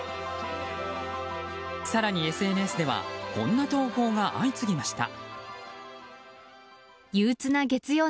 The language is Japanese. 更に、ＳＮＳではこんな投稿が相次ぎました。